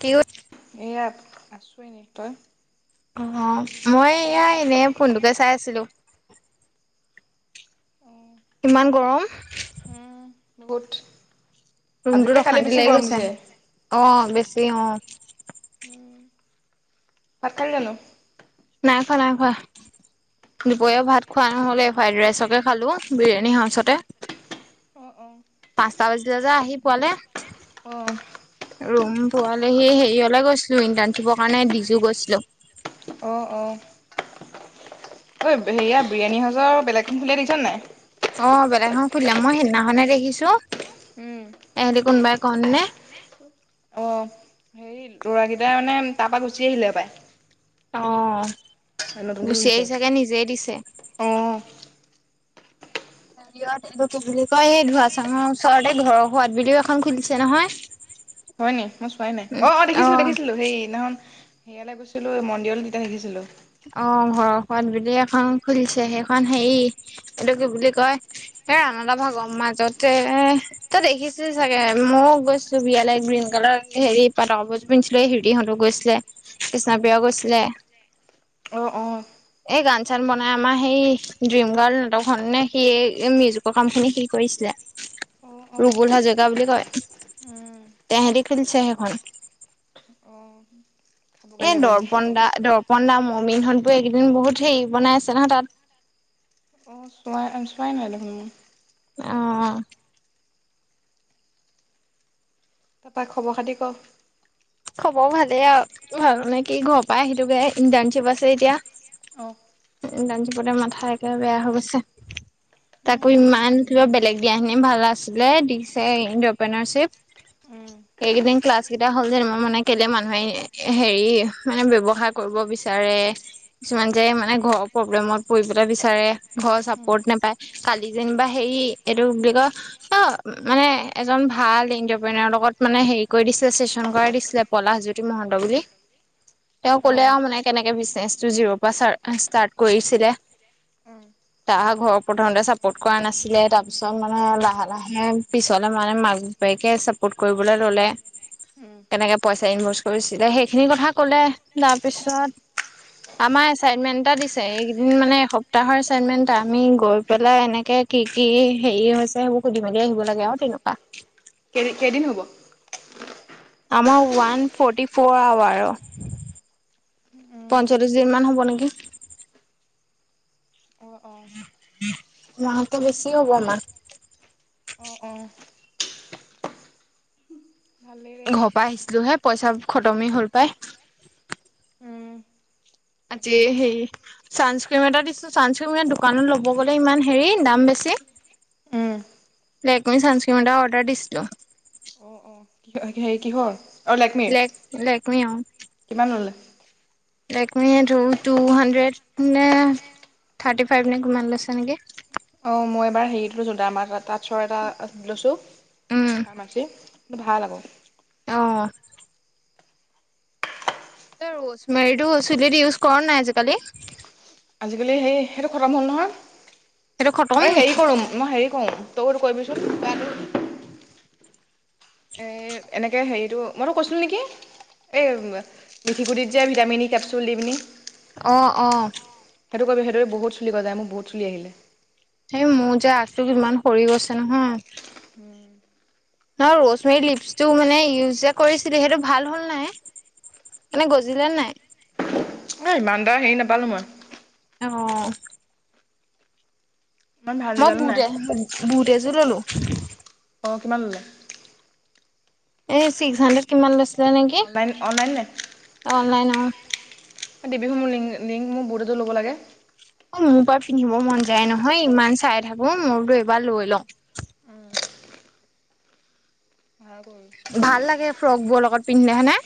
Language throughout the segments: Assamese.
কি অ ইয়াত আছোৱে এনেই তই অ মই এয়া এনেই ফোনটোকে চাই আছিলো। ইমান গৰম উম, বহুত আজিতকে ৰুমটোত কালি অশান্তি বেছি লাগি গৰম গৈছে দিছে অ বেছি অ ভাত খালা জানো? নাই খোৱা নাই খোৱা দুপৰীয়াও ভাত খোৱা নহ'লে ফ্ৰাইড ৰাইচকে খালো বিৰিয়ানী সাউচতে [unintelligible] অ পাঁচটা বজিলে যে আহি পুৱালে অ পোৱালেহি হেৰিয়লে গৈছিলো ইণ্টাৰ্ণশ্বিপৰ কাৰণে ডিজো গৈছিলো [unintelligible] অ অ ঐ হেৰিয়া বিৰিয়ানী সাউজৰ বেলেগ এখন খুলিলে দেখিছ নে নাই অ বেলেগ এখন খুলিলে মই সেইদিনাখনে দেখিছো উম এহেঁতি কোনোবাই কন নে অঁ হে ল'ৰাকেইটাই মানে তাৰপৰা গুচি আহিলে হপাই অ নতুনকে গুচি খুলিছে আহি চাগে নিজেই দিছে অ হ এইটো কি বুলি কয় সেই ধুৱা চাঙৰ ওচৰতে ঘৰৰ সোৱাদ বুলিও এখন খুলিছে নহয় [unintelligible] হয় নি মই চোৱাই নাই অ অ দেখিছিলো দেখিছিলো সেইদিনাখন সেয়ালৈ গৈছিলোঁ মন্দিৰলে তেতিয়া দেখিছিলোঁ। অ ঘৰৰ সোৱাদ বুলি এখন খুলিছে সেইখন হেৰি এইটো কি বুলি কয় এ ৰানদা ভাগৰ মাজতে তই দেখিছ চাগে ময়ো গৈছিলো বিয়ালৈ গ্ৰীণ কাৰ হেৰি পাত কাপোযোৰ পিন্ধিছিলে হিৰিহঁতো গৈছিলে অ কৃষ্ণাপিয়াও গৈছিলে [unintelligible] অ অ এই গান চান বনাই আমাৰ সেই ড্ৰিম গাৰ্ল নাটক খে সি মিউজিকৰ কাম খিনি সি কৰি দিলে অ অ ৰুবুল হাজৰিকা বুলি কয় তেহেতি খুলিছে সেইখন অ খাবগে এ লাগিব এদিন দৰ্পন দা দৰ্প পন্দা মমিন বোৰ এইকেইদিন বহুত হেৰি বনাই আছে নহয় তাত [unintelligible] অ চাই চোৱাই নাই দেখোন মই অ তা পা খবৰ খাতি ক খবৰ ভালেই আৰু ভাল নে কি ঘৰৰ পৰা আহিলোগে ইণ্টাৰ্ণশ্বিপ আছে এতিয়া অঁ ইন্টাৰ্ণশ্বিপতে মাথা একেবাৰে বেয়া হৈ গৈছে। তাকো উম ইমান কিবা বেলেগ দিয়াখিনি ভাল আছিলে দিছে ইণ্টাৰপ্ৰেনৰশ্বিপ। উম এইকেদিন ক্লাছ কেইটা হ'ল যে মই মানে কেলে মানুহে হেৰি মানে ব্যৱসায় কৰিব বিচাৰে কিছুমান যে মানে ঘৰৰ প্ৰব্লেমত পৰিবলৈ বিচাৰে ঘৰৰ চাপৰ্ট নেপায় কালি যেনিবা হেৰি এইটো কি বুলি কয় অ মানে এজন ভাল এণ্টাৰপ্ৰনৰ লগত মানে হেৰি কৰি দিছিল চেচন কৰা দিছিল। পলাশ জ্যোতি মহন্ত বুলি তেওঁ কলে অঁ আৰু মানে কেনেকে বিজনেচটো জিৰ' পৰা ষ্টাৰ্ট কৰিছিলে অঁ তাহ ঘৰৰ প্ৰথমতে চাপোৰ্ট কৰা নাছিলে তাৰপিছত মানে লাহে লাহে পিছলে মানে মাক তেকে চাপৰ্ট কৰিবলৈ ললে উম। কেনেকে পইচা ইনভেষ্ট কৰিছিলে সেইখিনি কথা কলে তাৰপিছত আমাৰ এচাইনমেন্ট এটা দিছে এইকেদিন মানে এসপ্তাহৰ এচাইনমেন্ট এটা আমি গৈ পেলাই এনেকে কি কি হেৰি হৈছে সেইবোৰ সুধি মেলি আহিব লাগে আও তেনেকুৱা কেই কেইদিন হব। আমাৰ ওৱান ফৰ্টি ফৰ আৱাৰ উম পঞ্চল্লিশ দিন মান হ'ব নেকি অঁ অঁ মাহতে বেছি হব মাহ অঁ অঁ ভালেই দে ঘৰ পাই আহিছিলো হে পইচা খতমে হল পাই। উম আজি তাকে। হেৰি ছানস্ক্ৰীম এটা দিছো চানস্ক্ৰীম এ দোকানত ল'ব গ'লে ইমান হেৰি দাম বেছি। অ লেকমি চানস্ক্ৰীণ এটা অৰ্ডাৰ দিছিলোঁ। অঁ অঁ হেৰি কিহৰ অহ লেকমি লেকমি অ কিমান ললে। লেকমি টো টোহাণ্ড্ৰেড নে? থাৰ্তী ফাইভ নে কিমান লৈছে নেকি অঁ মই এবাৰ হেৰিত লৈছো দামাৰ তাঁতছৰ এটা লৈছোঁ উম ফাৰ্মাচী। ভাল আকৌ। অ'হ ত ৰ্মেৰিটো চুলি দি ইউজ কৰা নাই আজিকালি। আজিকালি হেই সেইটো খতম হল নহয় সেইটো খতম এই নি হেৰি কৰোম মই হেৰি কৰো তোৰ কৰিবিচোন কিপাটো এ এনেকে হেৰিটো মইতো কৈছিলো নেকি এই মিঠিকগুটিত যে ভিটামিনি কেপচুল দি পিনি অহ অহ। সেইটো কৰিবি সেইদৰে বহুত চুলি হৈ যায় মোৰ বহুত চুলি আহিল। এই মোৰ যে আগটো ইমান সৰি গৈছে নহয়। ন ৰজমেৰী লিপচটো মানে ইউজ কৰিছিলো সেইটো ভাল হল নাই এনে গজিলে নাই? অ ইমান তা হেৰি নাপালো মই অহ ইমান ভাল মই ৰিজাল্ট নাই বুতে বুত এযোৰ ললোঁ। অ কিমান ললে? এই ছিক্স হানড্ৰেড কিমান লৈছিলে নেকি অনলাইন অনলাইন নে অনলাইনত দিবিচোন মোৰ লিংক লিংক মোৰ বুথ এযোৰ ল'ব লাগে। মোৰ পৰা পিন্ধিব মন যায় নহয় ইমান চাই থাকো মোৰতো এইবাৰ লৈ লওঁ। ভাল কৰিবি ভাল লাগে ফ্ৰক বোৰ লগত পিন্ধিলে হৈনে।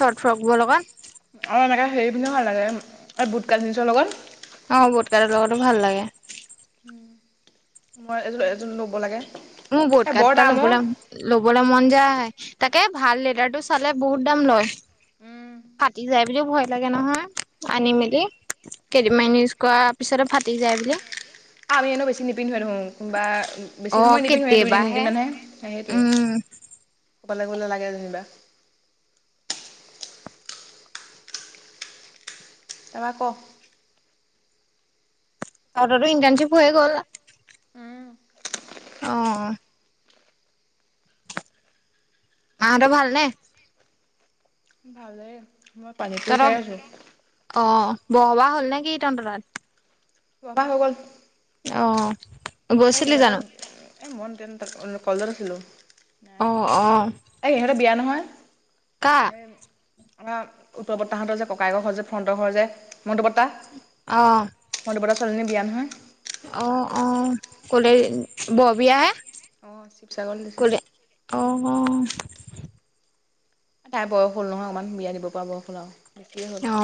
চৰ্ট ফ্ৰক বোৰ লগত অ এনেকা হেৰি পিন্ধীও ভাল লাগে এ বুট কা জিনছৰ লগত অ বুটকাৰ লগতো ভাল লাগে। মই এ এজন ল'ব লাগে। মোৰ বট এই কাত বৰ দুটা দাম অ' ল'বলে ল'বলে মন যায়। তাকে ভাল লেটাৰটো চালে বহুত দাম লয়। কাটি যায় বুলিও ভয় লাগে নহয় আনি মেলি। সেইটোৱে কেইদিনমানি ইউজ কৰাৰ পিছত ফাটি যায় বুলি আমি এনো বেছি নিপিন্ধুৱে ধেখুন কোনোবা বেছি অ সময় নিপিন্ধুৱে দুই তিনদিন কেতিয়াবাহে মানহে- সেইটোৱেই উম অকলে গলে লাগে যেনিবা। এবাৰ ক ত ইণ্টাৰনশিপ হৈ গ'ল উম অ মিহেতৰ ভাল নে? ভালে? তহতপ অ বহবাহ হ'ল নে কি তহতৰ তাত? সবা হৈ গ'ল অ এই গৈছিলি সিহঁতৰ জানো? এই মই তেন কলেজত আছিলোঁ। অ অ এই ইহঁতে বিয়া নহয়। কা আম উত্তৰ বৰতাহঁতৰ যে ককাই ঘৰৰ যে ফৰ্ণটৰ ঘৰ যে মন্টো বৰ্তা অ মণ্টু বৰ্তা ছোৱালীজনীৰ বিয়া নহয়। অ অ কলে বৰ বিযা হে। অঁ শিৱসাগৰলৈ দিছে কলে অ তাই বয়স হল নহয় অকমান বিয়া দিব পৰা বয়স আও। অ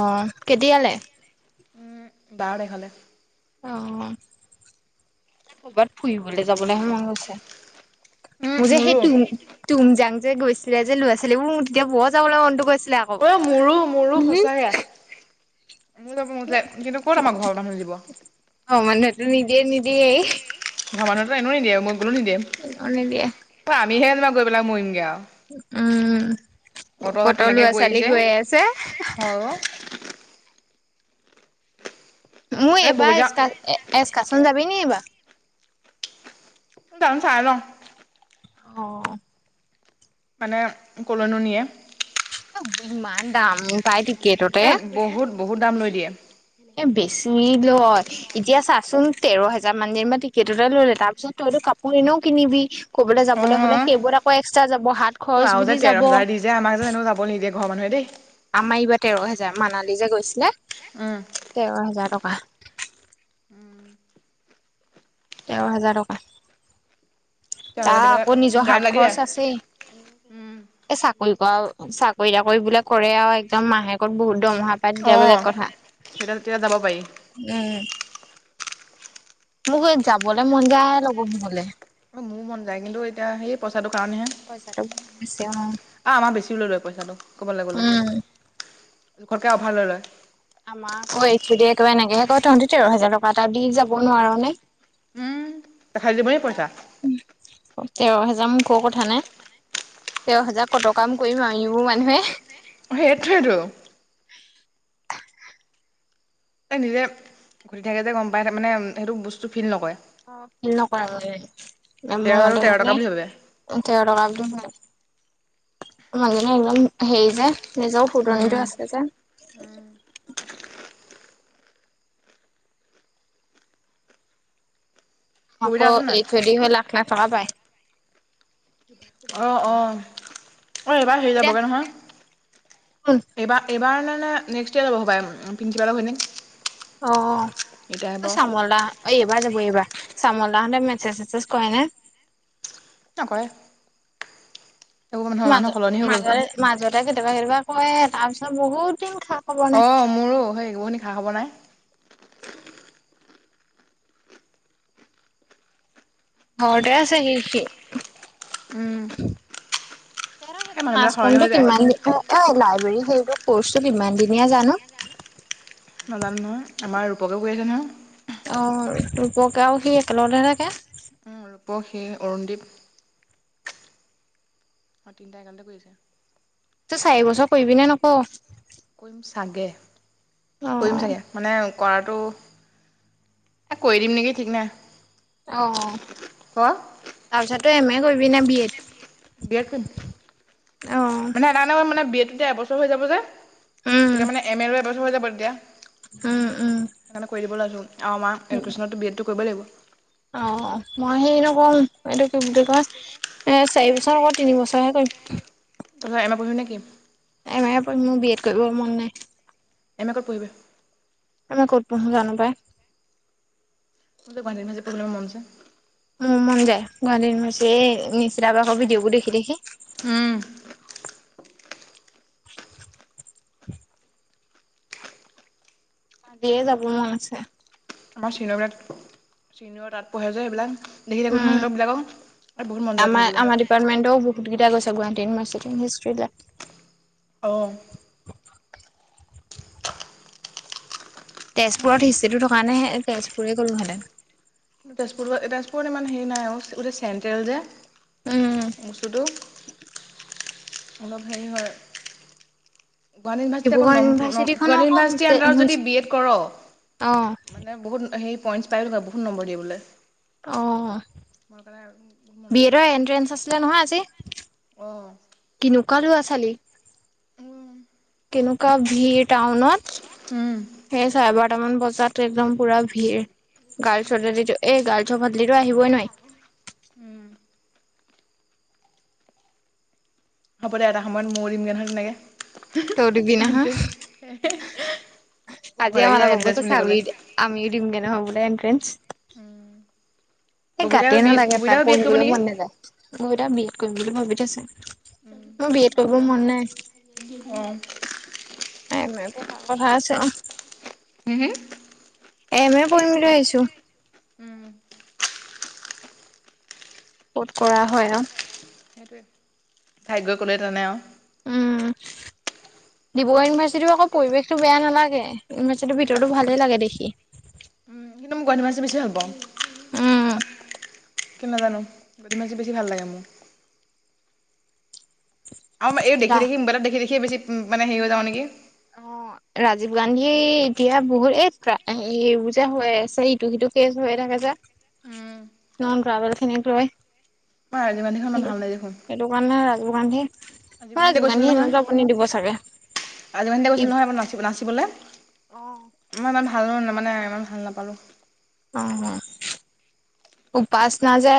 কেতিয়ালে উম বাৰ তাৰিখলে অ কৰ'বাত ফুৰিবলৈ যাবলৈহে মন গৈছে। মোৰ যে সেই মোৰো তুম তুমজাং যে গৈছিলে যে লৰা ছোৱালীবোৰ মোৰ তেতিয়া বোৱা যাবলৈ মনটো গৈছ- অ মোৰো মোৰো সঁচাকে মোৰ যাব মন গৈছিলে কিন্তু ক'ত আমাৰ ঘৰৰ মানুহ দিব অ মানুহটো নিদিয়ে নিদিয়ে ঘৰৰ মানুহ এনেও নিদিয়ে মই গ'লো অ নিদিয়ে নিদিযে আমিহে যেনবা গৈ পেলাই মৰিমগে আও উম যাক ক'তৰ তেনেকে লৰা ছোৱালী আহিছে গৈ আছে আৰু মোৰ এই এইবাৰ বৌজা এচকা এচকাচন যাবি নি এইবা জনো চাই লওঁ। অ মানে কলৈনো নিয়ে ইমান দাম পাই টিকতটে এ বহুত বহুত দাম লৈ দিয়ে এ বেছি লয় এতিয়া চা চোন তেৰ হোজাৰ মান দি টিকেটতেটা ললে তাৰপিছত তইতো কাপোৰ এনেও কিনিবি কবলে অ যাবলৈ হলে সেইবোৰ আকৌ এক্সট্ৰা যাব হাত অ খৰচ আৰু যে বুলি তেৰ যাব। হাজাৰ দি যে আমাক যে এনেও যাব নিদিয়ে ঘৰৰ মানুহে দেই। আমাৰ এইবাৰ তেৰ হেজাৰ মানালী যে গৈছিলে। উম তেৰ হাজাৰ টকা। তেৰ হাজাৰ টকা তেৰ যা হাজাৰ দি পেলাই আকৌ নিজৰ গাত হাত লাগি খৰচ যায় আছে উম এ চাকৰি চাকৰি তাকৰি বোলে কৰে আৰু একদম মাহেকত বহুত দমহাপাই অ। তেতিয়া বেলেগ কথা তেতিয়া তেতিয়া যাব পাৰি উম [unintelligible] মোক যাবলৈ মন যায় লগৰ বোৰ গলে মোৰ মন যায় কিন্তু এতিয়া সেই পইচাটোৰ কাৰণেহে পইচাটো বহুত বেছি অ আমাৰ বেছিও লৈ লয় পইচাটো ক'বলৈ গ'লে উম জোখতকৈ অভাৰ লৈ লয় যদি একেবাৰে নাগেহে ক তহতি তেৰ হোজাৰ টকা এটা দি যাব নোৱাৰ নে খাই দিব পইছা তেৰ হেজাৰ মুখৰ কথা নে তেৰ হাজাৰ কত কাম কৰিম আৰু [unintelligible] বোৰ মানুহে সেইটোৱেইতো [unintelligible] [inaudible] নিজে ঘটি থাকে যে গম পাই মানে সেইটো বস্তু ফিল নকৰে অ খেল নকৰাব তেৰ হাজাৰটো তেৰ টকা বুলি ভাবে তেৰ টকাও নাই মাজে ন একদম সেই যে [unintelligible] নিজৰও উম ফুটনিটো আছে যে ববিতা আকৌ আছে নাই এই ছদি হৈ লাখ লাখ টকা পাই। অ অঁ অ এইবাৰ হেৰি ববিতা যাবগে নহয় শুন এইবাৰ এইবাৰ নে নে নেষ্ট ইয়াৰ যাব হপাই প্ৰিন্সিপাল ঘৈণীয়েক। [unintelligible] অ এতিয়া অ আহিব চামল দা অ এইবাৰ যাব এইবাৰ চামল দাহতে মেছেজ চেছেজ কৰেনে নকৰে এইবোৰ মানুহৰ মাজ মানুহ সলনি হৈ মাজ গ'ল মাজতে কেতিয়াবা কেতিয়াবা কয় তাৰ পিছত বহুত দিন খা খবৰ অ নাই মোৰো সেই একো খা খবৰ নাই ঘৰতে আছে সি সি উম এ এই সেইটো মাছ মানুহবিলাক কম সলনি হৈ যায় কিমান এ লাইব্ৰেৰী কৰ্চটো কিমান দিনীয়া জানো নাজানো নহয় আমাৰ ৰূপকে কৈ আছে নহয় অ দুপকেও সি একে লগতহে থাকে উম, ৰূপক সি অৰুণদ্বীপ অ তিনিটা একেলগতে কৰি আছে তই চাৰি বছৰ কৰিবিনে নকও কৰিম চাগে কৰিম চাগে মানে কৰাটো এই কৰি দিম নেকি ঠিক নাই অ ক তাৰপিছতে এম এ কৰিবি নে বি এড বি এড কৰিম অ মানে এ মানে বি এডটো এবছৰ হৈ যাব যে উম তেতিয়া মানে এম এ ৰ এবছৰ হৈ যাব তেতিয়া উম উম সেইকাৰণে কৰি দিব লছোঁ আৰু আমাৰ এডুকেশ্যনতো বি এডটো কৰিবই লাগিব অ মই সে নো কম এইটো কি বুলি কয় এ চাৰি বছৰ আকৌ তিনি বছৰহে কৰিম তাৰপাছত এম এ পঢ়িবি নেকি এম মোৰ বি এড কৰিব মন নাই এম এ ক'ত পঢ়িবা এম এ ক'ত পঢ়ো জানো পায় মোৰ যে গুৱাহাটীত ইমান মন আছে মোৰ মন যায়, গুৱাহাটী ইউনিভাৰ্ছিটি এই নিচিতা ভাগৰ ভিদিঅবোৰ দেখি-দেখি। উম, দে যাব মন আছে। আমাৰ চিনবেৰাত, চিনিয়ৰ তাত পঢ়ে যে সেইবিলাক। দেখি থাকোঁ নহয় উম', সিহঁতবিলাকক বহুত মন যায় পঢ়িবলৈ আমাৰ-আমাৰ ডিপাৰ্টমেন্টও বহুত কেইটা গৈছে। গুৱাহাটী ইউনিভাৰ্ছিটি হিষ্ট্ৰিলেপ। অ'। [inaudible] তেজপুৰত হিষ্টিটো থকা হলে তেজপুৰেই গ'লোহেঁতেন। কিন্ত তেজপুৰ-তেজপুৰত ইমান হেৰি নাই আৰু গোটেই চেণ্ট্ৰেল যে। উম বস্তুটো। অলপ হেৰি হয়। গুৱাহাটী ইনিভাৰ্চিটি আকৌ ডিব্ৰুগড় ন ইউনিভাৰ্চিটি খনৰ গুৱাহাটী আকৌ ইনিভাৰ্চিটি হোষ্টে আণ্ডাৰত হোচ যদি বি এড কৰ। অ মানে বহুত হেৰি পইণ্টছ পাই বাৰু বহুত নম্বৰ দিয়ে বোলে। অ', মোৰ কাৰণে বহুত মন বি আছে এডৰ এডটো এন্ট্ৰেন্ঞ্চ আছিলে নহয় আজি? অঁ কেনেকুৱা লৰা ছোৱালী। উম'। তেনেকুৱা ভিৰ টাউনত, উম সেই চাৰে বাৰটা টা মান বজাত একদম পুৰা ভিৰ। উম গাৰ্লছিটো এই গাৰ্লছৰ ভাটলি টো আহিবই নোৱাৰি। উম হ'ব দে এটা সময়ত মইও দিম গৈ নহয় তই দিবি নহয় তেনেকে। [unintelligible] আজি ভয় লাগি আমাৰ যায় বুবোৱে এণ্ট্ৰেঞ্চ কৈছে বুলি ক'লে আমিও-আমিও দিমগে নহয় বোলে এনট্ৰেন্ঞ্চ। উম'। সেই গাতেই নালাগে পাই পঢ়িবলৈ মন নাযায়, মই বি এড কৰিম বুলি ভাবি থৈছে। [unintelligible] কথা আছে অ'। হম- হম? এম এ পঢ়িম বুলি ভাবিছো উম ক'ত কৰা হয় অ। সেইটোৱে ভ্যাগ ক'লে তানে আৰু। উম', ডিব্ৰুগড় ইউনিভাৰ্চিটিৰ আকৌ পৰিৱেশতটো বেয়া নালাগে। ইউনিভাৰ্চিটি ভিতৰতো ভালেই লাগে দেখি। কিন্তু মই গুৱাহাটী মাছটো বেছি ভাল পাওঁ। উম কি নাজানো পুঠি মাছটো বেছি ভাল লাগে মোৰ। আও মা এই ৰা দেখি-দেখি মোবাইলত দেখি-দেখি বেছি মানে হেৰি হৈ যাব নেকি? অ ৰাজীৱ গান্ধী এতিয়া বহুত, এ কা সেইবোৰৰ যে হয় আছে ইটো- সিটো এ হৈ থাকে যে। উম'। নন গাৰ্ভেল খিনিক লই। মই ৰাজীৱ গান্ধীখন ইমান ভাল লাগে দেখোন সেইটো কাৰনে ৰাজীৱ গান্ধী ৰাজীৱ মই গান্ধীলৈ গৈছিলো দুকান্ধি নহয় এনেকোৱা কনী দিব চাগে। ৰাজীৱ গান্ধীলৈ ই নহয় ম নাচিব-নাচিবলে, মই ইমান ভাল মানে ইমান ভাল নাপালোঁ। অহ', উপষ্ণা যে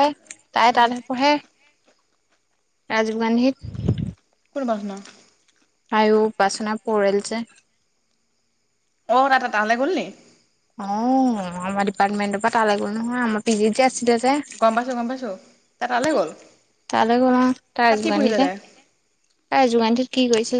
তাই তাতহে পঢ়ে। ৰাজীৱ গান্ধীত। কোন উপষ্ণা? আয়ু উপষ্ণা পৰেল যে। অ', তাই তালে গ'ল নি? অ', আমাৰ ডিপাৰ্টমেন্টৰ পৰা তালৈ গ'ল নহয় আমাৰ পি জি ত যে আছিলে যে গম পাইছোঁ গম পাইছোঁ তাই তালৈ গ'ল তালে গল অহ', তাই তাত কি ৰাজীৱ পঢ়িলে গন্ধিতহে। তাই? তাই যোগানিটো কি কৰিছে জা